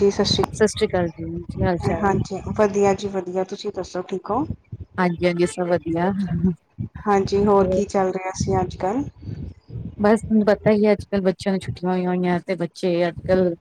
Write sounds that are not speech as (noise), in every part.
ਜੀ ਸ਼੍ਰੀ ਸਤਿ ਸ੍ਰੀ ਅਕਾਲ ਜੀ, ਕੀ ਹਾਲ ਚਾਲ। ਹਾਂਜੀ ਵਧੀਆ ਜੀ ਵਧੀਆ। ਤੁਸੀਂ ਦੱਸੋ ਠੀਕ ਹੋ। ਹਾਂਜੀ, ਹਾਂਜੀ, ਸਭ ਵਧੀਆ। (unintelligible) ਹਾਂਜੀ ਹੋਰ ਕੀ ਚੱਲ ਰਿਹਾ ਸੀ, ਅੱਜ-ਕੱਲ੍ਹ ਬਸ ਤੁਹਾਨੂੰ ਪਤਾ ਈ ਐ ਅੱਜ-ਕੱਲ੍ਹ ਬੱਚਿਆਂ ਨੂੰ ਛੁੱਟੀਆਂ ਹੋਈਆਂ ਹੋਈਆਂ ਤੇ ਬੱਚੇ ਅੱਜ-ਕੱਲ੍ਹ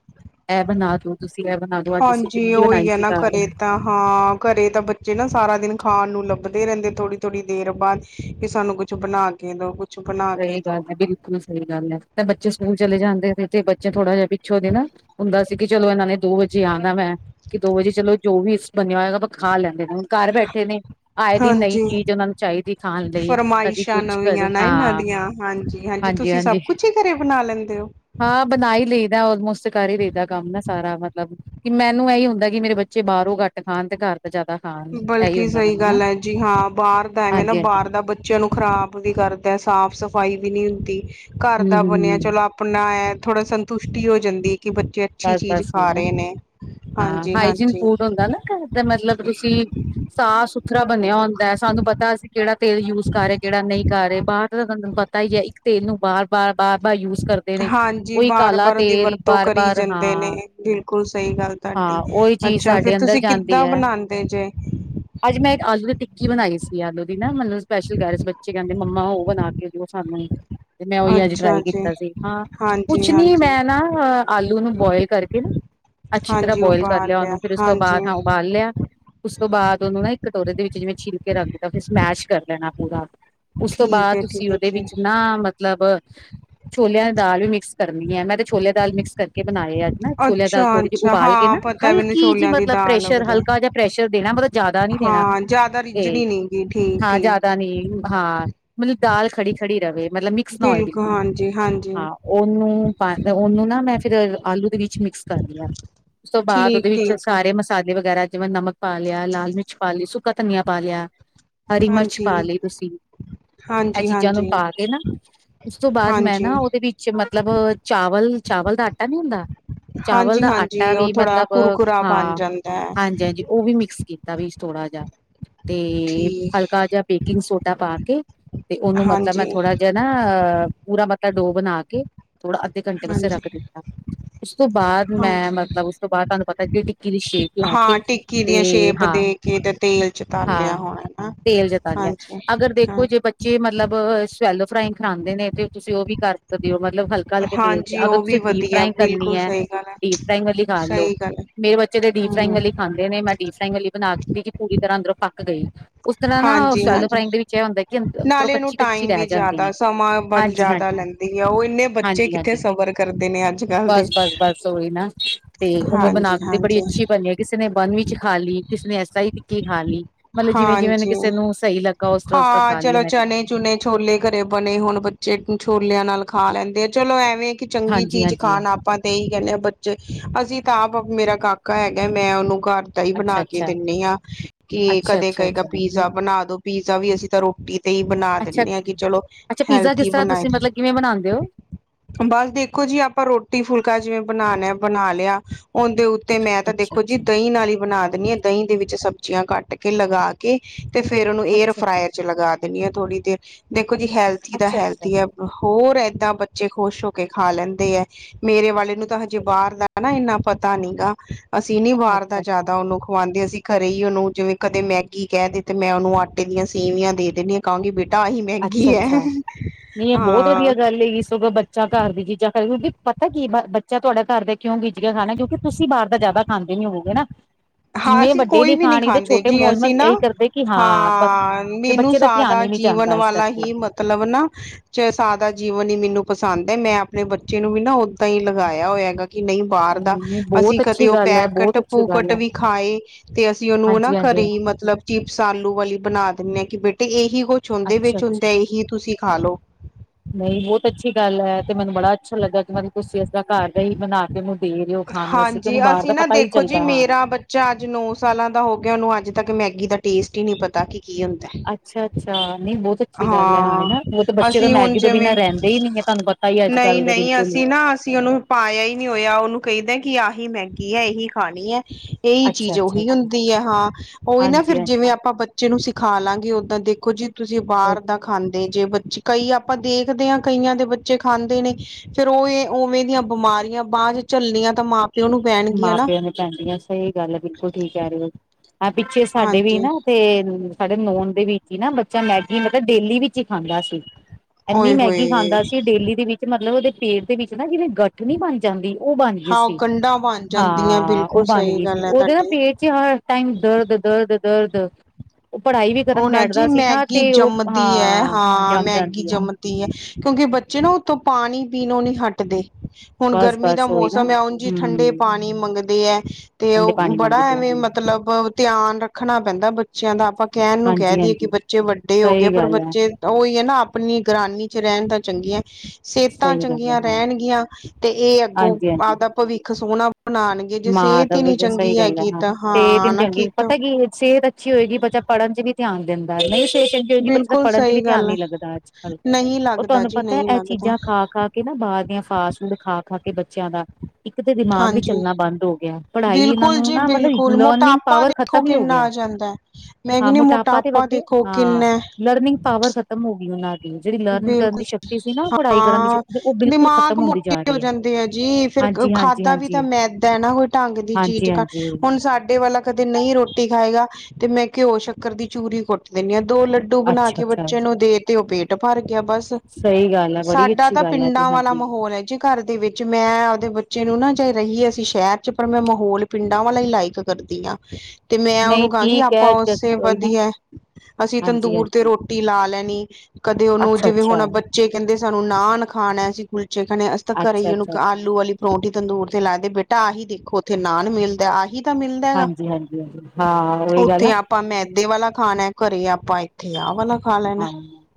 ਇਹ ਬਣਾ ਦੋ, ਤੁਸੀਂ ਇਹ ਬਣਾ ਦੋ। ਹਾਂਜੀ ਟਿੱਕੀ ਬਣਾਈ ਉਹੀ ਐ ਸੀ ਨਾਂ ਘਰ ਘਰੇ ਤਾਂ ਹਾਂ, ਘਰੇ ਤਾਂ ਬੱਚੇ ਨਾਂ ਸਾਰਾ ਦਿਨ ਖਾਣ ਨੂੰ ਲੱਭਦੇ ਰਹਿੰਦੇ। ਥੋੜੀ-ਥੋੜ੍ਹੀ ਦੇਰ ਬਾਅਦ ਕਿ ਸਾਨੂੰ ਕੁ ਬਣਾ ਕੇ ਦੋ ਕੁਝ। ਸਹੀ ਗੱਲ ਏ, ਬਿਲਕੁਲ ਸਹੀ ਗੱਲ ਐ। ਤੇ ਬੱਚੇ ਸਕੂਲ ਚਲੇ ਜਾਂਦੇ ਫਿਰ ਬੱਚੇ ਥੋੜਾ ਜਿਹਾ ਬੀ ਪਿੱਛੋਂ ਦੇ ਨਾਂ ਹੁੰਦਾ ਸੀ ਕਿ ਚਲੋ ਇਹਨਾਂ ਨੇ ਦੋ ਵਜੇ ਆਣਾ ਵੈ। ਕਿ ਦੋ ਵਜੇ ਚਲੋ ਜੋ ਵੀ ਬਣਿਆ ਹੋਏਗਾ ਤੋ ਖਾ ਲੈਂਦੇ ਨੇਂ। ਘਰ ਬੈਠੇ ਨੇਂ ਆਏ ਦਿਨ ਨਈ ਹਾਂਜੀ ਚੀਜ਼ ਉਹਨਾਂ ਨੂੰ ਚਾਹੀਦੀ ਖਾਣ ਲਈ, ਕਦੀ ਫਰਮਾਇਸ਼ਾਂ ਕੁਛ ਕਦੇ। ਨਵੀਆਂ ਨਾ ਇਹਨਾਂ ਹਾਂ ਦੀਆਂ ਹਾਂਜੀ ਹਾਂਜੀ, ਤੁਸੀਂ ਸਭ ਕੁਛ ਹੀ ਘਰੇ ਬਣਾ ਲੈਂਦੇ ਹੋ। ਹਾਂ ਬਣਾ ਹੀ ਲਈਦਾ ਆਲਮੋਸਟ ਕਰ ਹੀ ਲਈਦਾ ਕੰਮ ਨਾਂ ਸਾਰਾ ਮਤਲਬ। ਕਿ ਮੈਨੂੰ ਇਹੀ ਹੁੰਦਾ, ਕਿ ਮੇਰੇ ਬੱਚੇ ਬਾਹਰੋਂ ਘੱਟ ਖਾਣ ਤੇ ਘਰ। ਜ਼ਿਆਦਾ ਹਾਂ ਬਲਕਿ ਸਹੀ ਗੱਲ ਹੈ, ਜੀ ਹਾਂ ਬਾਹਰ ਦਾ ਐਵੇਂ ਨਾ ਹਾਂਜੀ ਹਾਂਜੀ ਬਾਹਰ ਦਾ ਬ ਚਲੋ ਖ਼ਰਾਬ ਵੀ ਕਰਦਾ ਸਾਫ ਸਫਾਈ ਵੀ ਨਹੀਂ ਹੁੰਦੀ ਘਰ ਹਮ ਦਾ ਹਮ ਬਣਿਆ ਹਮ ਚਲੋ। ਆਪਣਾ ਇਹ ਥੋੜਾ ਸੰਤੁਸ਼ਟੀ ਹੋ ਜਾਂਦੀ ਕਿ ਬੱਚੇ। ਅੱਛੀ ਚੀਜ਼ ਖਾ ਰਹੇ ਨੇ ਹਾਂ ਹਾਂਜੀ ਹਾਈਜੀਨ ਹਾਂਜੀ ਫੂਡ ਹੁੰਦਾ ਨਾ ਦਾ ਮਤਲਬ ਤੁਸੀਂ ਸਾਫ਼ ਸੁਥਰਾ ਬਣਿਆ ਹੁੰਦਾ ਸਾਨੂੰ ਪਤਾ ਅਸੀਂ ਕਿਹੜਾ ਤੇਲ ਯੂਜ ਕਰ ਰਹਾ, ਕਿਹੜਾ ਨਹੀਂ ਕਰ ਰਹੇ ਬਾਹਰ ਤਾਂ ਤੁਹਾਨੂੰ ਪਤਾ ਹੀ ਹੈ। ਇੱਕ ਤੇਲ ਨੂੰ ਬਾਹਰ ਵਾਰ ਵਾਰ ਵਾਰ ਯੂਜ ਕਰਦੇ ਨੇ ਹਾਂਜੀ ਕੋਈ ਬਾਰ ਕਾਲਾ ਬਾਰ ਦੀ ਤੇਲ ਵਰਤੋਂ ਵਾਰ। ਜਾਂਦੇ ਨੇ ਬਿਲਕੁਲ ਸਹੀ ਗੱਲ ਤੁਹਾਡੀ ਹਾਂ ਉਹੀ ਚੀਜ਼ ਅੱਛਾ ਫੇਰ ਸਾਡੇ ਅੰਦਰ ਤੁਸੀਂ ਜਾਂਦੀ ਕਿੱਦਾਂ ਹੈ ਬਣਾਉਦੇ ਜੇ ਅੱਜ ਮੈਂ ਇੱਕ ਆਲੂ ਦੀ ਟਿੱਕੀ ਬਣਾਈ ਸੀ। ਆਲੂ ਦੀ ਨਾ ਮੈਨੂੰ ਸਪੈਸ਼ਲ ਗੈਰਸ ਬੱਚੇ ਕਹਿੰਦੇ ਮੰਮਾ ਉਹ ਬਣਾ ਕੇ। ਕਿ ਦਿਉ ਸਾਨੂੰ ਤੇ ਮੈਂ ਉਹੀ ਅੱਜ ਅੱਛਾ ਟਰਾਈ ਜੀ ਕੀਤਾ ਸੀ ਹਾਂ ਹਾਂਜੀ ਕੁਛ ਨੀ ਹਾਂਜੀ ਮੈਂ ਨਾ ਆਲੂ ਨੂੰ ਬੋਇਲ ਕਰਕੇ ਨਾ ਅੱਛੀ ਤਰ੍ਹਾਂ ਹਾਂਜੀ ਬੋਇਲ ਕਰ ਉਬਾਲ ਲਿਆ ਉਹਨੂੰ ਫਿਰ ਉਸ ਤੋਂ ਬਾਅਦ ਹਾਂਜੀ ਹਾਂ ਉਬਾਲ ਲਿਆ। ਉਸ ਤੋਂ ਬਾਅਦ ਉਹਨੂੰ ਨਾ ਇੱਕ ਕਟੋਰੇ ਦੇ ਵਿੱਚ ਜਿਵੇਂ ਛਿਲਕੇ ਰੰਗ ਦਿੱਤਾ। ਫਿਰ ਸਮੈਸ਼ ਕਰ ਲੈਣਾ ਪੂਰਾ ਉਸ ਤੋਂ ਠੀਕ ਬਾਅਦ ਹੈ ਤੁਸੀਂ ਠੀਕ ਹੈ ਉਹਦੇ ਜੀ ਵਿੱਚ ਨਾ। ਮੈਂ ਨਾ ਮਤਲਬ ਛੋਲਿਆਂ ਦੀ ਦਾਲ ਵੀ ਮਿਕਸ ਕਰਨੀ ਹੈ ਮੈਂ ਤੇ ਛੋਲਿਆਂ। ਦਾਲ ਮਿਕਸ ਕਰਕੇ ਬਣਾਏ ਅੱਜ ਨਾ ਛੋਲਿਆਂ ਦਾਲ ਥੋੜ੍ਹੀ ਜਿ ਅੱਛਾ-ਅੱਛਾ ਉਬਾਲ ਕੇ ਹਾਂ ਨਾ ਪਤਾ ਹੈ ਮੈਨੂੰ ਹਲਕੀ ਜਿਹੀ ਛੋਲਿਆਂ ਦੀ ਮਤਲਬ ਦਾਲ ਪ੍ਰੈਸ਼ਰ ਵਗੈਰਾ ਹਲ ਜਾਂ ਪ੍ਰੈਸ਼ਰ ਦੇਣਾ ਮਤਲਬ ਜ਼ਿਆਦਾ ਨੀ ਦੇਣਾ ਹਾਂ ਜ਼ਿਆਦਾ ਤੇ ਰਿੱਝਣੀ ਨੀ ਗੀ ਹਾਂ ਠੀਕ-ਠੀਕ ਜ਼ਿਆਦਾ ਨੀ ਹਾਂ ਮਤਲਬ ਦਾਲ ਖੜੀ ਖੜੀ ਰਹੇ ਮਤਲਬ ਮਿਕਸ ਨਾ ਹੋਏ ਬਿਲਕੁਲ ਵੀ, ਹਾਂ ਉਹਨੂੰ ਉਹਨੂੰ ਨਾ ਮੈਂ ਫਿਰ ਆਲੂ ਦੇ ਵਿੱਚ ਮਿਕਸ ਕਰ ਲਿਆ ਉਸ ਤੋਂ ਬਾਅਦ ਉਹਦੇ ਵਿੱਚ ਠੀਕ-ਠੀਕ ਆ ਸਾਰੇ ਮਸਾਲੇ ਵਗੈਰਾ ਜਿਵੇਂ ਨਮਕ ਪਾ ਲਿਆ ਲਾਲ ਮਿਰਚ ਪਾ ਲਈ, ਸੁੱਕਾ ਧਨੀਆ ਪਾ ਲਿਆ, ਹਰੀ ਮਿਰਚ ਪਾ ਹਾਂਜੀ। ਲਈ ਤੁਸੀਂ। ਇਹ ਚੀਜ਼ਾਂ ਨੂੰ ਹਾਂਜੀ-ਹਾਂਜੀ, ਪਾ ਕੇ ਨਾ ਉਸ ਤੋਂ ਬਾਅਦ ਮੈਂ ਹਾਂਜੀ, ਨਾ ਉਹਦੇ ਵਿੱਚ। ਮਤਲਬ ਚਾਵਲ ਚਾਵਲ ਦਾ ਆਟਾ ਨੀ ਹੁੰਦਾ। ਚਾਵਲ ਦਾ ਆਟਾ ਹਾਂਜੀ-ਹਾਂਜੀ ਉਹ ਵੀ ਥੋੜਾ ਮਤਲਬ ਕੁਰਕੁਰਾ ਬਣ ਹਾਂ ਜਾਂਦਾ ਹੈ ਹਾਂਜੀ ਹਾਂਜੀ। ਉਹ ਵੀ ਮਿਕਸ ਕੀਤਾ ਵਿੱਚ ਥੋੜਾ ਜਿਹਾ ਤੇ ਠੀਕ ਹਲਕਾ ਜਿਹਾ। ਬੇਕਿੰਗ ਸੋਡਾ ਪਾ ਕੇ ਤੇ ਉਹਨੂੰ ਮਤਲਬ ਮੈਂ ਹਾਂਜੀ, ਥੋੜਾ ਜਿਹਾ ਨਾ ਅ ਪੂਰਾ ਮਤਲਬ ਡੋ ਬਣਾ ਕੇ ਥੋੜਾ ਅੱਧੇ ਘੰਟੇ ਵਾਸਤੇ ਹਾਂਜੀ, ਰੱਖ ਦਿੱਤਾ ਉਸ ਤੋਂ ਬਾਅਦ ਮੈਂ ਹਾਂਜੀ ਮਤਲਬ ਉਸ ਤੋਂ ਬਾਅਦ ਤੁਹਾਨੂੰ ਪਤਾ ਜਿਹੜੀ ਟਿੱਕੀ ਦੀ ਸ਼ੇਪ ਲੈ ਹਾਂ ਕੇ ਟਿੱਕੀ ਦੀਆਂ ਤੇ ਸ਼ੇਪ ਹਾਂ। ਦੇ ਕੇ ਤੇ ਤੇਲ ਚ ਤਲ ਲਿਆ ਹਾਂ ਹੋਣਾ ਨਾ ਤੇਲ ਜ ਤਾ ਗਿਆ ਹਾਂਜੀ ਅਗਰ ਹਾਂ ਦੇਖੋ ਜੇ ਬੱਚ ਜੇ ਮਤਲਬ ਸੈਲੋ ਫਰਾਈ ਖਾਂਦੇ ਨੇ ਤੇ ਤੁਸੀਂ ਉਹ ਵੀ ਕਰ ਸਕਦੇ ਹੋ ਮਤਲਬ ਹਲਕੀ ਕੱਲ ਕੇ ਤੇਲ ਤੇ ਹਾਂਜੀ ਅਗਰ ਉਹ ਵੀ ਤੁਸੀਂ ਡੀਪ ਵਧੀਆ ਫਰਾਈ ਕਰਨੀ ਬਿਲਕੁਲ ਹੈ ਸਹੀ ਗੱਲ ਡੀਪ ਫਰਾਈ ਵਾਲੀ ਕਰ ਲੳ ਸਹੀ ਗੱਲ ਹੈ। ਮੇਰੇ ਬੱਚੇ ਤੇ ਡੀਪ ਫਰਾਈਗ ਹੂੰ ਵਾਲੀ ਖਾਂਦੇ ਨੇ, ਮੈਂ ਡੀਪ ਫਰਾਈੰਗੀ ਬਣਾ ਦਿੱਤੀ, ਕਿ ਪੂਰੀ ਤਰ੍ਹਾਂ ਅੰਦਰੋਂ ਪੱਕ ਗਈ। ਉਸ ਤਰਾ ਨਾ ਹਾਂਜੀ ਸਾਲੂ ਹਾਂਜੀ ਫਰਾਈੰ ਦੇ ਵਿੱਚ ਇਹ ਹੁੰਦਾ, ਕਿ ਉਥਰੋ ਨਾਲੇ ਉਹਨੂੰ ਕੱਚੀ ਕੱਚੀ ਟਾਈਮ ਰਹਿ ਜਾਂਦੀ ਆ ਹਾਂਜੀ, ਹਾਂਜੀ ਦੀਆ ਉਹ ਇੰਨੇ ਬੱਚੇ ਕਿੱਥੇ ਸਬਰ ਕਰਦੇ ਨੇ ਅੱਜ ਕੱਲ੍ਹ ਦੇ ਬਸ ਬਸ ਬਸ ਉਹੀ ਨਾ ਤੇ, ਉਵੇਂ ਬਣਾ ਹਾਂਜੀ ਦਿੰਦੇ ਬੜੀ ਹਾਂਜੀ ਅੱਛੀ ਬਣੀ ਹੈ। ਕਿਸੇ ਨੇ ਬੰਨ੍ਹ ਵਿੱਚ ਖਾ ਲਈ, ਕਿਸੇ ਨੇ ਇਸ ਤਰ੍ਹਾਂ ਹੀ ਟਿੱਕੀ ਖਾ ਲਈ ਮਤਲਬ, ਜਿਵੇਂ ਜਿਵੇਂ ਹਾਂਜੀ ਕਿਸੇ ਨੂੰ ਸਹੀ ਲੱਗਾ। ਉਸ ਤਰ੍ਹਾਂ ਉਸ ਤਰ ਖਾ ਲਈ ਉਹਨੇ ਟਿੱਕ ਨੇ ਛੋਲੇ ਘਰੇ ਬਣੇ ਹੁਣ ਬੱਚੇ ਛੋਲਿਆਂ ਨਾਲ ਖਾ ਲੈਂਦੇ ਆ ਚਲੋ ਐਵੇਂ ਚੰਗੀ ਚੀਜ਼ ਹਾਂਜੀ-ਹਾਂਜੀ ਖਾਣ ਆਪਾਂ ਤੇ ਹੀ ਕਹਿੰਦੇ ਆ ਬੱਚੇ ਅਸੀਂ ਤਾਂ ਆਪ ਮੇਰਾ ਕਾਕਾ ਹੈਗਾ ਮੈਂ ਉਹਨੂੰ ਘਰ ਦਹੀਂ ਬਣਾ ਕੇ ਅੱਛਾ-ਅੱਛਾ ਦਿੰਦੇ ਹਾਂ ਕਿ ਕਦੇ ਕਹਿ ਅੱਛਾ-ਅੱਛਾ-ਅੱਛਾ ਪੀਜ਼ਾ ਬਣਾ ਦੋ ਪੀਜ਼ਾ ਵੀ ਅਸੀਂ ਤਾਂ ਰੋਟੀ ਤੇ ਹੀ ਬਣਾ ਅੱਛਾ ਅੱਛਾ ਅੱਛਾ ਅੱਛਾ ਦਿੰਨੇ ਹਾਂ ਕਿ ਚਲੋ ਅੱਛਾ ਅੱਛਾ ਪੀਜ਼ਾ ਕਿਸ ਹੈਲਥੀ ਤਰ੍ਹਾਂ ਬਣਾਏ ਤੁਸੀਂ ਮਤਲਬ ਕਿਵੇਂ ਬਣਾਉਂਦੇ ਹੋ? ਬਸ ਦੇਖੋ ਜੀ ਆਪਾਂ ਰੋਟੀ ਫੁਲਕਾ, ਜਿਵੇਂ ਬਣਾਣੇ ਬਣਾ ਲਿਆ ਉਹਦੇ ਤੇ ਮੈਂ ਤਾਂ ਦੇਖੋ ਜੀ ਅੱਛਾ-ਅੱਛਾ ਦਹੀਂ ਨਾਲ ਹੀ ਬਣਾ ਦਿੰਦੀ ਹਾਂ ਦਹੀਂ ਦੇ ਵਿੱਚ ਸਬਜ਼ੀਆਂ ਕੱਟ ਕੇ ਲਗਾ ਕੇ ਤੇ ਫੇਰ ਉਹਨੂੰ ਏਅਰ ਅੱਛਾ-ਅੱਛਾ ਫਰਾਇਰ ਚ ਲਗਾ ਦੇਣੀ ਆ ਥੋੜੀ ਦੇਰ, ਦੇਖੋ ਜੀ ਹੈਲਥੀ ਤਾ ਅੱਛਾ-ਅੱਛਾ ਹੈਲਥੀ ਆ। ਹੋਰ ਏਦਾਂ ਬੱਚੇ ਖੁਸ਼ ਹੋ ਕੇ ਖਾ ਲੈਂਦੇ ਹੈ ਮੇਰੇ ਵਾਲੇ ਮੈਨੂੰ ਤਾਂ ਹਜੇ ਬਾਹਰ ਦਾ ਨਾ ਇੰਨਾ ਪਤਾ ਨੀ ਗਾ ਅਸੀਂ ਨੀ ਬਾਹਰ ਦਾ ਅੱਛਾ-ਅੱਛਾ ਜ਼ਿਆਦਾ ਉਹਨੂੰ ਖਵਾਉਂਦੇ ਅਸੀਂ ਘਰੇ ਹੀ ਉਹਨੂੰ ਜਿਵੇਂ ਕਦੇ ਮੈਗੀ ਕਹਿ ਦੇ ਤੇ ਮੈਂ ਉਹਨੂੰ ਆਟੇ ਦੀਆਂ ਸੇਵੀਆਂ ਦੇ ਦੇਣੀ ਆ ਕਹਾਂਗੀ ਬੇਟਾ ਆਹੀ ਮਹਿੰਗੀ ਹੈ ਅੱਛਾ-ਅੱਛਾ ਨਹੀਂ ਇਹ ਬਹੁਤ ਹਾਂ (unintelligible) ਬੱਚਾ ਘਰ ਦੀ ਚੀਜ਼ਾਂ ਖਾ ਕਿਉਂਕਿ ਪਤਾ ਕੀ ਬੱਚਾ ਤੁਹਾਡੇ ਘਰ ਦਾ ਕਿਉਂ ਗਿੱਜ ਗਿਆ ਖਾਣਾ ਕਿਉਂਕਿ ਤੁਸੀਂ ਬਾਹਰ ਦਾ ਜਾ ਖਾਂਦੇ ਨਹੀਂ ਹੋਗੇ ਨਾ। ਹਾਂ ਜਿਵੇਂ ਅਸੀਂ ਵੱਡੇ ਕੋਈ ਨੀ ਵੀ ਨਹੀਂ ਖਾਣੀ ਤੇ ਖਾਂਦੇ ਛੋਟੇ ਜੀ ਮੋਲ ਅਸੀਂ ਇਹੀ ਨਾ ਕਰਦੇ ਕਿ ਹਾਂ ਬਸ ਤੇ ਮੈਨੂੰ ਬੱਚੇ ਦਾ ਧਿਆਨ ਸਾਦਾ ਹੀ ਨਹੀਂ ਜੀਵਨ ਜਾਂਦਾ ਇਸ ਵਾਲਾ ਕਰਕੇ ਹੀ ਮਤਲਬ ਨਾ ਚ ਸਾਦਾ ਜੀਵਨ ਹੀ ਮੈਨੂੰ ਪਸੰਦ ਹੈ ਮੈਂ ਆਪਣੇ ਬੱਚੇ ਨੂੰ ਵੀ ਉਦਾਂ ਹੀ ਲਗਾਇਆ ਹੋਇਆ ਹੈਗਾ ਕਿ ਨਹੀਂ ਬਾਹਰ ਦਾ ਹੂੰ, ਬਹੁਤ ਅਸੀਂ ਕਦੇ ਅੱਛੀ ਉਹ ਗੱਲ ਹੈ ਪੈਕਟ ਬਹੁਤ ਅੱਛੀ ਗੱਲ ਪੂਕਟ ਹੈ ਵੀ ਖਾਏ ਤੇ ਅਸੀਂ ਉਹਨੂੰ ਨਾ ਹਾਂਜੀ ਹਾਂਜੀ ਕਰੀਮ ਮਤਲਬ ਚਿਪਸ ਆਲੂ ਵਾਲੀ ਬਣਾ ਦਿੰਨੇ ਕਿ ਬੇਟੇ ਇਹੀ ਕੁਛ ਹੁੰਦੇ ਅੱਛਾ ਵਿੱਚ ਹੁੰਦਾ। ਅੱਛਾ ਇਹੀ ਤੁਸੀਂ ਖਾ ਲੋੋ। ਨਹੀਂ ਬਹੁਤ ਅੱਛੀ ਗੱਲ ਹੈ ਤੇ ਮੈਨੂੰ ਬੜਾ ਅੱਛਾ ਲੱਗਾ ਕਿ ਮਤਲਬ ਤੁਸੀਂ ਇਸਦਾ ਘਰ ਦਾ ਹੀ ਬਣਾ ਕੇ ਕਿਹਨੂੰ ਦੇ ਰਹੇ ਹੋ ਖਾਣ ਵਾਸਤੇ ਕਿਹਨੂੰ ਬਾਹਰ ਦਾ ਪਤਾ ਹੀ ਚੱਲਦਾ ਹਾਂ। ਚ ਅੱਜ ਨੌ ਸਾਲਾਂ ਦਾ ਹੋ ਗਿਆ ਉਹਨੂੰ ਅੱਜ ਤੱਕ ਮੈਗੀ ਦਾ ਟੇਸਟ ਹੀ ਨਹੀਂ ਪਤਾ ਕੀ ਕੀ ਹੁੰਦਾ ਅੱਛਾ ਅੱਛਾ ਨਹੀਂ ਬਹੁਤ ਅੱਛੀ ਗੱਲ ਹੈ ਹਨਾ ਹਾਂ ਉਹ ਤਾਂ ਬੱਚੇ ਤਾਂ ਅਸੀਂ ਹੁਣ ਮੈਗੀ ਤੋਂ ਬਿਨਾਂ ਜਿਵੇਂ ਰਹਿੰਦੇ ਹੀ ਨਹੀਂ ਹੈ ਤੁਹਾਨੂੰ ਪਤਾ ਹੀ ਅੱਜ ਨਹੀਂ ਕੱਲ ਦੇ ਨਹੀਂ ਬਿਲਕੁਲ ਹੀ ਅਸੀਂ ਨਾ ਅਸੀਂ ਉਹਨੂੰ ਪਾਇਆ ਹੀ ਨਹੀਂ ਹੋਇਆ ਉਹਨੂੰ ਕਹਿੰਦਾ ਕਿ ਆਹੀ ਮਹਿੰਗੀ ਹੈ ਇਹੀ ਖਾਣੀ ਹੈ। ਇਹੀ ਅੱਛਾ ਚੀਜ਼ ਅੱਛਾ ਉਹੀ ਅੱਛਾ ਹੁੰਦੀ ਹੈ ਹਾਂ, ਉਹੀ ਨਾ ਫਿਰ ਹਾਂਜੀ ਜਿਵੇਂ ਹਾਂਜੀ ਆਪਾਂ ਬੱ ਬੱਚੇ ਨੂੰ ਸਿਖਾ ਲਾਗੀ ਓਦਾਂ ਦੇਖੋ ਜੀ ਤੁਸੀਂ ਉਹ ਬਾਹਰ ਦਾ ਖਾਂਦੇ ਜੇ ਬੱਚੇ ਕਈ ਆਪਾਂ ਦੇਖਦੇ ਹਾਂ ਕਈਆਂ ਦੇ ਬੱਚੇ ਖਾਂਦੇ ਨੇ ਫਿਰ ਉਹ ਓਵੇਂ ਦੀਆਂ ਬਿਮਾਰੀਆਂ ਬਾਅਦ ਚ ਝੱਲਣੀਆਂ ਤਾਂ ਮਾਂ ਪਿਓ ਨੂੰ ਪੈਣਗੀਆਂ ਮਾਂ ਨਾ ਪਿਓ ਨੂੰ ਪੈਂਦੀਆਂ ਸਹੀ ਗੱਲ ਬਿਲਕੁਲ ਠੀਕ ਕਹਿ ਰਹੇ ਹੋ ਐ ਪਿੱਛੇ ਸਾਡੇ ਵੀ ਹਾਂਜੀ ਨਾ ਤੇਲ ਸਾਡੇ ਨੋਨ ਦੇ ਵਿੱਚ ਹੀ ਨਾ ਬੱਚਾ ਮੈਗੀ ਮਤਲਬ ਡੇਲੀ ਵਿੱਚ ਹੀ ਖਾਂਦਾ ਸੀ। ਇੰਨੀ ਓਏ ਮੈਗੀ ਹੋਏ ਖਾਂਦਾ ਸੀ ਡੇਲੀ ਦੇ ਵਿੱਚ ਮਤਲਬ ਉਹਦੇ ਪੇਟ ਦੇ ਵਿੱਚ ਨਾ ਜਿਹਵੇੇ ਗਟ ਨਹੀਂ ਬਣ ਜਾਂਦੀ ਉਹ ਬਣ ਗਈ ਸੀ। (unintelligible) ਹਾਂ ਉਹ ਬਿਲਕੁਲ ਬਣ ਸਹੀ ਗਈ ਸੀ ਗੱਲ ਹੈ ਉਹਦੇ ਨਾ ਤੁਹਾਡੇ ਪੇਟ ਚ ਹਰ ਟਾਈਮ ਦਰਦ ਦਰਦ ਦਰਦ ਉਹ ਪੜ੍ਹਾਈ ਵੀ ਕਰਨ ਉਹਨਾਂ ਜੀ ਬੈਠਦਾ ਸੀ ਨਾ ਮੈਗੀ ਤੇ ਉਹ ਜੰਮਦੀ ਹੈ ਹਾਂ ਜੰਮ ਮੈਗੀ ਜਾਂਦੀ ਆ। ਜੰਮਦੀ ਕਿਉਂਕਿ ਬੱਚੇ ਨਾ ਉਤੋਂ ਪਾਣੀ ਪੀਨੋ ਨੀ ਹਟਦੇ। ਹੁਣ ਬਸ ਗਰਮੀ ਦਾ ਬਸ ਉਹੀ ਨਾ ਮੌਸਮ ਹੈ ਉਹ ਜ ਠੰਡੇ ਹਮ ਪਾਣੀ ਮੰਗਦੇ ਹੈ। ਤੇ ਕਹਿੰਦੇ ਉਹ ਪਾਣੀ ਬੜਾ ਮੰਗਦੇ ਆ ਐਵੇਂ ਮਤਲਬ ਧਿਆਨ ਰੱਖਣਾ ਪੈਂਦਾ ਬੱਚਿਆਂ ਦਾ ਆਪਾਂ ਕਹਿਣ ਨੂੰ ਕਹਿ ਹਾਂਜੀ ਦਈਏ ਕਿ ਹਾਂਜੀ ਬੱਚੇ ਵੱਡੇ ਹੋ ਗਏ ਸਹੀ ਪਰ ਗੱਲ ਹੈ ਬੱਚੇ ਉਹੀ ਹੈ ਨਾ ਆਪਣੀ ਗਰਾਨੀ ਚ ਰਹਿਣ ਤਾਂ ਚੰਗੀ ਹੈ। ਸਿਹਤਾਂ ਸਹੀ ਗੱਲ ਹੈ ਚੰਗੀਆਂ ਹਾਂ ਰਹਿਣ ਗੀਆਂ ਤੇ ਇਹ ਅੱਗੋਂ ਹਾਂਜੀ ਹਾਂਜੀ ਆਪਦਾ ਭਵਿੱਖ ਸੋਹਣਾ ਬਣਾਣ। ਮਾਂ ਤਾਂ ਵੀ ਸਹੀ ਗੱਲ ਹੈ ਹਾਂ ਸਿਹਤ ਹਾਂ ਨਹੀਂ ਨਾ ਚੰਗੀ ਪਤਾ ਕੀ ਸਿਹਤ ਅੱਛੀ ਹੋਏਗੀ ਬੱਚਾ ਪੜ੍ਹਨ ਚ ਵੀ ਧਿਆਨ ਦੇਣ ਨਹੀਂ ਸੋਚਣਗੀ ਬੱਚੇ ਦਾ ਬਿਲਕੁਲ ਪੜ੍ਹਨ ਚ ਵੀ ਸਹੀ ਧਿਆਨ ਗੱਲ ਹੈ ਨੀ ਲੱਗਦਾ ਅੱਜ ਕੱਲ ਨਹੀਂ ਉਹ ਲੱਗਦਾ ਤੁਹਾਨੂੰ ਜੀ ਪਤਾ ਨਹੀਂ ਹੈ ਇਹ ਲੱਗਦਾ ਚੀਜ਼ਾਂ ਖਾ ਖਾ ਨਾ ਬਾਹਰ ਦੀ ਫਾਸਟ ਫੂਡ ਖਾ ਖਾ ਕੇ ਬੱਚਿਆਂ ਦਾ ਇੱਕ ਤੇ ਦਿਮਾਗ ਵੀ ਹਾਂਜੀ ਚੱਲਣਾ ਬੰਦ ਹੋ ਗਿਆ ਪੜ੍ਹਾਈ ਇਹਨਾਂ ਬਿਲਕੁਲ ਨੂੰ ਜੀ ਨਾ ਮਤਲਬ ਬਿਲਕੁਲ ਲਰਨਿੰਗ ਮੋਟਾਪਾ ਪਾਵਰ ਦੇਖੋ ਖਤਮ ਹੀ ਹੋ ਕਿੰਨਾ ਗਿਆ। ਆ ਜਾਂਦਾ ਹੈ ਮੈਂ ਹਾਂ ਕਹਿੰਦੀ ਮੋਟਾਪਾ ਤੇ ਵੱਖਰੇ ਦੇਖੋ ਹਾਂ ਕਿੰਨਾ ਲਰਨਿੰਗ ਪਾਵਰ ਖ਼ਤਮ ਹੋ ਗਈ ਉਹਨਾਂ ਦੀ। ਜਿਹੜੀ ਲਰਨ ਕਰਨ ਬਿਲਕੁਲ ਦੀ ਸ਼ਕਤੀ ਸੀ ਨਾ ਪੜ੍ਹਾਈ ਕਰਨ ਦੀ ਹਾਂ, ਸ਼ਕਤੀ ਸੀ ਉਹ ਬਿਲਕੁਲ ਦਿਮਾਗ ਖਤਮ ਹੁੰਦੀ ਮੋਟੇ ਜਾ ਹੋ ਰਹੀ ਹੈ ਜਾਂਦੇ ਆ ਜੀ। ਫਿਰ ਹਾਂਜੀ ਹਾਂਜੀ ਖਾਧਾ ਵੀ ਤਾਂ ਹਾਂਜੀ ਮੈਦਾ ਨਾ ਕੋਈ ਢੰਗ ਦੀ ਚੀਜ਼ ਹਾਂਜੀ ਹਾਂਜੀ ਹੁਣ ਸਾਡੇ ਵਾਲਾ ਕਦੇ ਨਹੀਂ ਰੋਟੀ ਖਾਏਗਾ ਤੇ ਮੈਂ ਘਿਓ ਸ਼ੱਕਰ ਦੀ ਚੂਰੀ ਕੁੱਟ ਦਿੰਨੀ ਹਾਂ ਦੋ ਲੱਡੂ ਲੱਡੂ ਬਣਾ ਕੇ ਅੱਛਾ-ਅੱਛਾ ਬੱਚੇ ਨੂੰ ਦੇ ਤੇ ਉਹ ਪੇਟ ਭਰ ਗਿਆ ਬਸ ਸਹੀ ਗੱਲ ਹੈ ਬੜੀ ਸਾਡਾ ਅੱਛੀ ਤਾਂ ਗੱਲ ਹੈ ਤੇ ਪਿੰਡਾਂ ਵਾਲਾ ਹਾਂਜੀ ਮਾਹੌਲ ਹੈ ਜੀ। ਘਰ ਦੇ ਵਿੱਚ ਮੈਂ ਆਪਦੇ ਬੱਚੇ ਨੂੰ ਨਾ ਚਾਹੇ ਰਹੀਏ ਅਸੀਂ ਸ਼ਹਿਰ ਚ, ਪਰ ਮੈਂ ਮਾਹੌਲ ਪਿੰਡਾਂ ਵਾਲਾ ਹੀ ਲਾਇਕ ਕਰਦੀ ਆ ਤੇ ਮੈਂ ਉਹਨੂੰ ਨਹੀਂ ਕਹਾਂਗੀ ਠੀਕ ਆਪਾਂ ਹੈ ਜਦ ਉਸੇ ਕੋਈ ਨਾ ਵਧੀਆ ਅਸੀਂ ਤੰਦੂਰ ਤੇ ਰੋਟੀ ਹਾਂਜੀ-ਹਾਂਜੀ ਰੋਟੀ ਲਾ ਲੈਣੀ, ਕਦੇ ਉਹਨੂੰ ਜਿਵੇਂ ਅੱਛਾ-ਅੱਛਾ, ਹੁਣ ਬੱਚੇ ਕਹਿੰਦੇ ਸਾਨੂੰ ਨਾਨ ਖਾਣਾ, ਅਸੀਂ ਕੁਲਚੇ ਖਾਣੇ ਤਾਂ ਘਰੇ ਹੀ ਉਹਨੂੰ ਅੱਛਾ-ਅੱਛਾ ਆਲੂ ਵਾਲੀ ਪਰੋਂਂਠੀ ਤੰਦੂਰ ਤੇ ਲੈ ਦੇ ਬੇਟਾ ਆਹੀ ਦੇਖੋ ਉੱਥੇ ਨਾਨ ਮਿਲਦਾ ਆਹੀ ਤਾਂ ਮਿਲਦਾ ਗਾ ਹਾਂਜੀ-ਹਾਂਜੀ ਹਾਂ ਉਹੀ ਗੱਲ ਉੱਥੇ ਆ ਆਪ ਆਪਾਂ ਮੈਦੇ ਵਾਲਾ ਖਾਣਾ, ਘਰੇ ਆਪਾਂ ਇੱਥੇ ਆ ਵਾਲਾ ਖਾ ਲੈਣਾ ਹਾਂ,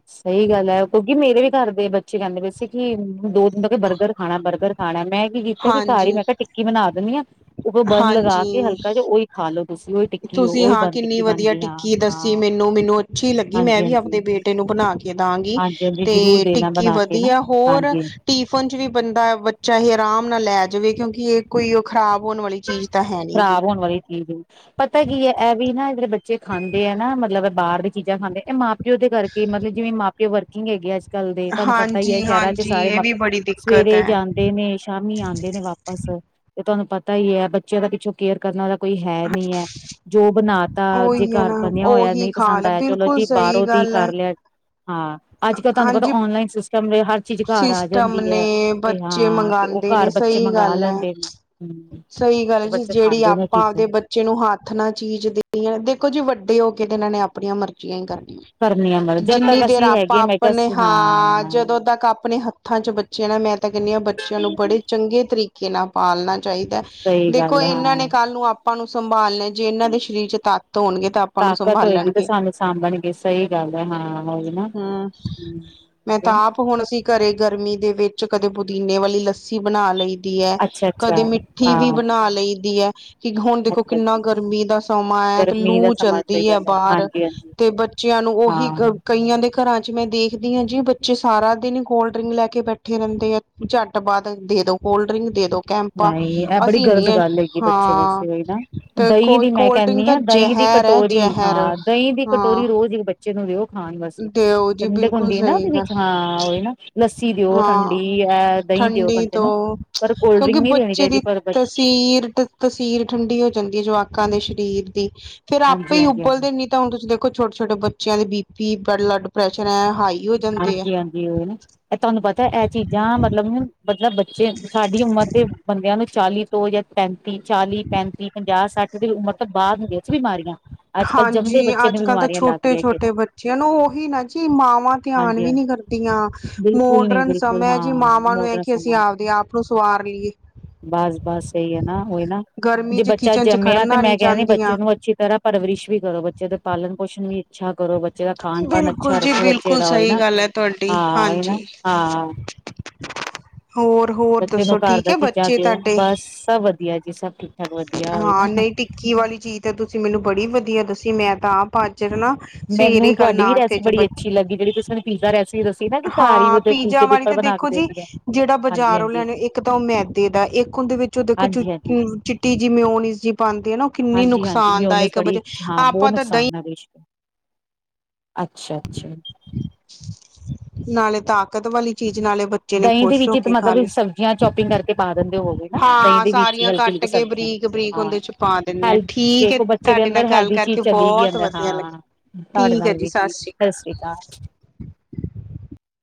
ਸਹੀ ਗੱਲ ਐ, ਕਿਉਂਕਿ ਮੇਰੇ ਵੀ ਘਰ ਦੇ ਬੱਚੇ ਕਹਿੰਦੇ ਪਏ ਸੀ ਕਿ ਦੋ ਕਹਿੰਦੇ ਬਰਗਰ ਖਾਣਾ ਬਰਗਰ ਖਾਣਾ, ਮੈਂ ਕੀ ਕੀਤਾ ਕਿ ਘਰ ਹੀ ਹਾਂਜੀ ਮੈਂ ਕਿਹਾ ਟਿੱਕੀ ਬਣਾ ਦਿੰਨੀ ਆ। ਉਪਰੋਂ ਬੰਨ ਲਗਾ ਕੇ ਹਾਂਜੀ ਹਲਕਾ ਜਾ ਉਹੀ ਖਾ ਲੋ ਤੁਸੀਂ ਓਹੀ ਟਿੱਕੀ ਹੋ ਤੁਸੀਂ ਓਹੀ ਹਾਂ ਬਣ ਕਿੰਨੀ ਟਿੱਕੀ ਬਣ ਵਧੀਆ ਗਈ, ਹਾਂ ਟਿੱਕੀ ਦੱਸੀ ਹਾਂ ਮੈਨੂੰ ਮੈਨੂੰ ਅੱਛੀ ਲੱਗੀ ਮੈਂ ਹਾਂਜੀ ਵੀ ਹਾਂਜੀ ਆਪਦੇ ਬੇਟੇ ਨੂੰ ਬਣਾ ਕੇ ਦਾਂਗੀ ਤੇ ਜ਼ਰੂਰ ਦੇਣਾ ਟਿੱਕੀ ਬਣਾ ਕੇ ਨਾ ਵਧੀਆ ਹੋਰ ਹਾਂਜੀ ਟੀਫਨ ਚ ਵੀ ਬੰਦਾ ਬੱਚਾ ਇਹ ਆਰਾਮ ਨਾਲ ਲੈ ਜਾਵੇ, ਕਿਉਂਕਿ ਇਹ ਕੋਈ ਉਹ ਖਰਾਬ ਹੋਣ ਵਾਲੀ ਚੀਜ਼ ਤਾਂ ਹੈ ਨੀ ਗੀ ਖ਼ਰਾਬ ਹੋਣ ਵਾਲੀ ਚੀਜ਼ ਹੈ, ਪਤਾ ਕੀ ਹੈ ਇਹ ਵੀ ਨਾ ਜਿਹੜੇ ਬੱਚੇ ਖਾਂਦੇ ਆ ਨਾ ਮਤਲਬ ਬਾਹਰ ਦੀ ਚੀਜ਼ਾਂ ਖਾਂਦੇ ਇਹ ਮਾਂ ਪਿਓ ਦੇ ਕਰਕੇ, ਮਤਲਬ ਜਿਵੇਂ ਮਾਂ ਪਿਓ ਵਰਕਿੰਗ ਹੈਗੇ ਆ ਤਲ ਦੇ, ਤੁਹਾਨੂੰ ਪਤਾ ਹੀ ਹੈ ਹਾਂਜੀ ਸ਼ਹਿਰਾਂ ਚ ਹਾਂਜੀ ਸਾਰੇ ਇਹ ਵੀ ਮਾਪ ਬੜੀ ਦਿੱਕਤ ਸਵੇਰੇ ਹੈ ਜਾਂਦੇ ਨੇ ਸ਼ਾਮੀ ਆਉਂਦੇ ਨੇ ਵਾਪ ਬਸ ਤੇ ਤੁਹਾਨੂੰ ਪਤਾ ਹੀ ਐ ਬੱਚਿਆਂ ਦਾ ਪਿੱਛੋਂ ਕੇਅਰ ਕਰਨਾ ਵਾਲਾ ਕੋਈ ਹੈ ਨਹੀਂ ਐ, ਜੋ ਬਣਾ ਤਾਂ ਜੇ ਉਹੀ ਹੈ ਨਾ ਘਰ ਬਣਿਆ ਹੋਇਆ ਉਹੀ ਨਹੀਂ ਖਾ ਪਸੰਦ ਲੈ ਆਇਆ, ਚਲੋ ਬਿਲਕੁਲ ਜੀ ਸਹੀ ਬਾਹਰੋਂ ਦੀ ਗੱਲ ਹੈ ਕਰ ਲੋ ਹਾਂ, ਅੱਜ ਕੱਲ ਤੁਹਾਨੂੰ ਪਤਾ ਹਾਂਜੀ ਔਨਲਾਈਨ ਸਿਸਟਮ ਹਰ ਚੀਜ਼ ਘਰ ਆ ਸਿਸਟਮ ਜਾਂਦੀ ਹੈ। ਨੇ ਤੇ ਬੱਚੇ ਹਾਂ ਤੇ ਉਹ ਮੰਗਵਾਉਂਦੇ ਘਰ ਨੇ, ਬੱਚੇ ਸਹੀ ਮੰਗਵਾ ਗੱਲ ਐ ਲੈਂਦੇ ਨੇ ਹਮ ਸਹੀ ਗੱਲ ਭੈਣ ਜੀ ਬੱਚੇ ਜਿਹੜੀ ਖਾਂਦੇ ਨੇ ਆਪਾਂ ਚੀਜ਼ਾਂ ਆਪਦੇ ਬੱਚੇ ਬਚੇ ਨੂੰ ਹੱਥ ਨਾ ਚੀਜ਼ ਦੇਣੀ, ਦੇਖੋ ਜੀ ਵੱਡੇ ਹੋ ਕੇ ਤੇ ਇਹਨਾਂ ਨੇ ਆਪਣੀਆਂ ਮਰਜ਼ੀਆਂ ਹੀ ਕਰਨੀ ਆ ਕਰਨੀਆਂ ਮਦਦ ਜਦ ਤੱਕ ਜਿੰਨੀ ਦੇਰ ਅਸੀਂ ਆਪਾਂ ਹੈਗੇ ਮੈਂ ਆਪਣੇ ਕਿਹਾ ਹਾਂ ਜਦੋਂ ਤੱਕ ਆਪਣੇ ਹੱਥਾਂ 'ਚ ਬੱਚਿਆਂ ਨੇ ਮੈਂ ਤਾਂ ਕਹਿੰਦੀ ਹਾਂ ਬੱਚਿਆਂ ਨੂੰ ਬੜੇ ਚੰਗੇ ਤਰੀਕੇ ਨਾਲ ਪਾਲਣਾ ਚਾਹੀਦਾ ਸਹੀ ਦੇਖੋ ਗੱਲ ਹੈ ਇਹਨਾਂ ਨੇ ਹਾਂ ਕੱਲ ਨੂੰ ਆਪਾਂ ਨੂੰ ਸੰਭਾਲਨਾ ਜੇ ਇਹਨਾਂ ਦੇ ਸਰੀਰ 'ਚ ਤਾਕਤ ਹੋਣਗੇ ਤਾਂ ਆਪਾਂ ਨੂੰ ਤਾਕਤ ਹੋਏਗੀ ਤੇ ਸੰਭਾਲਣਗੇ ਸਾਨੂੰ ਸਾਂਭਣਗੇ ਸਹੀ ਗੱਲ ਹੈ ਹਾਂ ਉਹੀ ਨਾ ਹਾ, ਮੈਂ ਤਾਂ ਆਪ ਹੁਣ ਅਸੀਂ ਘਰੇ ਗਰਮੀ ਦੇ ਵਿੱਚ ਕਦੇ ਪੁਦੀਨੇ ਵਾਲੀ ਲੱਸੀ ਬਣਾ ਲਈ। ਦੀ ਐ, ਅੱਛਾ ਅੱਛਾ ਕਦੇ ਮਿੱਠੀ ਵੀ ਹਾਂ ਬਣਾ ਲਈਦੀ ਐ। ਕਿ ਹੁਣ ਦੇਖੋ ਅੱਛਾ ਕਿੰਨਾ ਅੱਛਾ ਗਰਮੀ ਦਾ ਸਮਾਂ ਐ ਤੇ ਗਰਮੀ ਦਾ ਲੂ ਸਮਾਂ ਚੱਲਦੀ ਸਹੀ ਏ ਗੱਲ ਹੈ ਬਾਹਰ। ਹਾਂਜੀ ਹਾਂਜੀ ਤੇ ਬੱਚਿਆਂ ਨੂੰ ਉਹੀ ਹਾਂ ਕਈਆਂ ਦੇ ਘਰਾਂ 'ਚ ਮੈਂ ਦੇਖਦੀ ਹਾਂ ਜੀ ਬੱਚੇ ਸਾਰਾ ਦਿਨ ਹੀ ਕੋਲਡ ਡਰਿੰਕ ਲੈ ਕੇ ਬੈਠੇ ਰਹਿੰਦੇ ਆ, ਝੱਟ ਬਾਅਦ ਦੇ ਦੋ ਕੋਲਡ ਡਰਿੰਕ ਦੇ ਦੋ। ਕੈਂਪਾਂ ਨਹੀਂ ਇਹ ਬੜੀ ਅਸੀਂ ਗ਼ਲਤ ਨੀ ਗੱਲ ਹੈਗੀ ਬੱਚੇ ਹਾਂ ਵਾਸਤੇ ਉਹੀ ਨਾ, ਤੇ ਦਹੀ ਕੋ ਦੀ ਮੈਂ ਕੋਲਡ ਡਰਿੰਕ ਕਹਿੰਦੀ ਤਾਂ ਆ ਦਹੀਂ ਦੀ ਜ਼ਹਿਰ ਹੈ ਕਟੋਰੀ ਜ਼ਹਿਰ ਹਾਂ ਦਹੀਂ ਦੀ ਹਾਂ ਕਟੋਰੀ ਰੋਜ਼ ਇੱਕ ਬੱਚੇ ਨੂੰ ਦਿਓ ਹਾਂ ਬਸ, ਦਿਓ ਜੀ ਠੰਡਕ ਬਿਲਕੁਲ ਹੁੰਦੀ ਨਾ ਸਹੀ ਉਹਦੇ ਗੱਲ ਵਿੱਚ ਹਾਂ, ਉਹੀ ਨਾ ਲੱਸੀ ਦਿਓ ਹਾਂ ਠੰਡੀ ਦਹੀਂ ਦਿਓ ਠੰਡੀ ਬੰਦੇ ਨੂੰ ਤੋਂ ਪਰ ਕੋਲਡ ਕਿਉਂਕਿ ਡਰਿੰਕ ਨਹੀਂ ਦੇਣੀ ਬੱਚੇ ਚਾਹੀਦੀ ਦੀ ਪਰ ਤਸੀਰ ਤਸੀਰ ਠੰਡੀ ਹੋ ਜਾਂਦੀ ਏ ਜਵਾਕਾਂ ਦੇ ਸਰੀਰ ਦੀ, ਫੇਰ ਆਪੇ ਹਾਂਜੀ ਹੀ ਹਾਂਜੀ ਹਾਂਜੀ ਉਬਲਦੇ ਤਾਂ ਹੁਣ ਤੁਸੀਂ ਦੇਖੋ ਛੋਟੇ ਛੋਟੇ ਬੱਚਿਆਂ ਦੇ ਬੀ ਪੀ, ਬਲੱਡ ਪ੍ਰੈਸ਼ਰ ਐ ਹਾਈ ਹੋ ਜਾਂਦੇ ਆ ਹਾਂਜੀ ਹਾਂਜੀ ਉਹੀ ਨਾ, ਇਹ ਤੁਹਾਨੂੰ ਪਤਾ ਇਹ ਚੀਜ਼ਾਂ ਮਤਲਬ ਮਤਲਬ ਬੱਚੇ ਸਾਡੀ ਉਮਰ ਦੇ ਬੰਦਿਆਂ ਨੂੰ ਚਾਲੀ ਤੋਂ ਜਾਂ ਪੈਂਤੀ ਚਾਲੀ, ਪੈਂਤੀ, ਪੰਜਾਹ, ਸੱਠ ਦੀ ਉਮਰ ਤੋਂ ਬਾਅਦ ਵਿੱਚ ਬਿਮਾਰੀਆਂ ਅੱਜ ਕੱਲ੍ਹ ਜੰਮਦੇ ਹਾਂਜੀ, ਬੱਚੇ ਅੱਜ ਨੂੰ ਕੱਲ੍ਹ ਤਾਂ ਬਿਮਾਰੀਆਂ ਲੱਗ ਛੋਟੇ ਰਹੀਆਂ ਛੋਟੇ ਬੱਚਿਆ ਨੂੰ ਉਹੀ ਨਾ ਜੀ ਮਾਵਾਂ ਧਿਆਨ ਹਾਂਜੀ ਵੀ ਹਾਂ ਨੀ ਕਰਦੀਆਂ ਬਿਲਕੁਲ ਨਹੀਂ ਮੋਡਰਨ ਬਿਲਕੁਲ ਸਮਾਂ ਹੈ ਜੀ ਹਾਂ ਮਾਵਾਂ ਨੂੰ ਐ ਮੋਡਰਨ ਕਿ ਅਸੀਂ ਆਪਦੇ ਹਾਂ ਆਪ ਨੂੰ ਸਵਾਰ ਲਈਏ ਬਸ-ਬਸ ਸਈ ਏ ਨਾ ਉਹੀ ਨਾ, ਗਰਮੀ ਜੇ ਚ ਬੱਚਾ ਕਿਚਨ ਚ ਜੰਮਿਆ ਤੇ ਖੜਨਾ ਮੈਂ ਕਹਿ ਨੀ ਚਾਹੁੰਦੀਆਂ ਬੱਚੇ ਨੂੰ ਅੱਛੀ ਤਰ੍ਹਾਂ ਪਰਵਰਿਸ਼ ਵੀ ਕਰੋ, ਬੱਚੇ ਦਾ ਪਾਲਣ ਪੋਸ਼ਣ ਵੀ ਅੱਛਾ ਕਰੋ, ਬੱਚੇ ਦਾ ਖਾਣ ਪਾਣ ਅੱਛਾ ਰੱਖੋ। ਬੱਚੇ ਬਿਲਕੁੱਲ ਦਾ ਉਹੀ ਸਈ ਨਾ ਗੱਲ ਐ ਤੁਹਾਡੀ ਹਾਂ ਉਹੀ ਨਾ ਹਾਂਜੀ। ਹਾਂ ਹੋਰ-ਹੋਰ ਬੱਚੇ ਨੂੰ ਦੱਸੋ ਘਰ ਠੀਕ ਦਾ ਏ ਚੀਜ਼ਾਂ ਬੱਚੇ ਦਿਓ ਤਾਹਡੇ? ਬਸ ਸਭ ਵਧੀਆ ਜੀ, ਸਭ ਠੀਕ ਠਾਕ ਵਧ ਹਾਂ ਨਹੀਂ ਟਿੱਕੀ ਵਾਲੀ ਚੀਜ਼ ਤਾਂ ਤੁਸੀਂ ਮੈਨੂੰ ਬੜੀ ਵਧੀਆ ਦੱਸੀ ਮੈਂ ਤਾਂ ਆਪ ਅਜ ਨਾ ਸਵੇਰੇ ਮੈਨੂੰ ਕੱਲ ਤੁਹਾਡੀ ਵੀ ਨਾਸ਼ਤੇ ਰੈਸਪੀ 'ਚ ਬੜੀ ਬੱਚੇ, ਅੱਛੀ ਲੱਗੀ ਜਿਹੜੀ ਤੁਸੀਂ ਮੈਨੂੰ ਪੀਜ਼ਾ ਰੈਸਪੀ ਦੱਸੀ ਨਾ ਕਿ ਘਰ ਹੀ ਹਾਂ ਉਹਦੇ ਪੀਜ਼ਾ ਫੁਲਕੇ ਦੇ ਵਾਲੀ ਉੱਪਰ ਤਾਂ ਬਣਾ ਕੇ ਦੇਖੋ ਜੀ ਦਿੰਦੀ ਹੈ ਜਿਹੜਾ ਹਾਂਜੀ ਬਾਜ਼ਾਰ ਉਹ ਹਾਂਜੀ ਲਿਆਣੇ ਇੱਕ ਤਾਂ ਉਹ ਮੈਦੇ ਦਾ, ਇੱਕ ਉਹਦੇ ਵਿੱਚ ਉਹ ਦੇਖੋ ਚੂ ਹਾਂਜੀ ਹਾਂਜੀ ਚਿੱਟੀ ਜੀ ਮਯੋਨਿਸ ਜੀ ਪਾਉਂਦੀ ਹੈ ਨਾ ਉਹ ਕਿੰਨੀ ਹਾਂਜੀ ਨੁਕਸਾਨਦਾਇਕ ਬਚੇ, ਆਪਾਂ ਤਾਂ ਦਹੀਂ ਨਵਸ਼ ਅੱਛਾ ਅੱਛਾ ਨਾਲੇ ਤਾਕਤ ਵਾਲੀ ਚੀਜ਼ ਨਾਲੇ ਬਚੇ ਦਹੀਂ ਦੇ ਵਿੱਚ ਮਤਲਬ ਸਬਜ਼ੀਆਂ ਚੋਪਿੰਗ ਕਰਕੇ ਪਾ ਦਿੰਦੇ ਹੋ ਵੋਗੇ ਦਈ ਹਾਂ ਦੇ ਵਿੱਚ ਸਾਰੀਆਂ ਕੱਟ ਹਲਕੀ-ਹਲਕੀ ਕੇ ਸਬਜ਼ੀਆਂ, ਬਰੀਕ ਬਰੀਕ ਹਾਂ ਉਹਦੇ ਚ ਪਾ ਦਿੰਦੇ ਆ ਹੈਲ ਠੀਕ ਹੈ ਦੇਖੋ ਬੱਚੇ ਦੇ ਤੁਹਾਡੇ ਨਾਲ ਅੰਦਰ ਗੱਲ ਹੈਲਦੀ ਚੀਜ਼ ਕਰਕੇ ਚਲੀ ਗ ਬਹੁਤ ਅਦਰ ਵਧੀਆ ਲੱਗੀ ਹਾਂ, ਤੁਹਾਡੇ ਠੀਕ ਹੈ ਨਾਲ ਜੀ ਵੀ ਜ ਸ਼੍ਰੀ ਅਕਾਲ ਸਤਿ ਸ੍ਰੀ ਅਕਾਲ